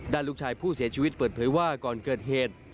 ลูกชายผู้เสียชีวิตเปิดเผยว่าก่อนเกิดเหตุ